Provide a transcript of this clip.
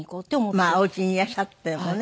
まあお家にいらっしゃってもね。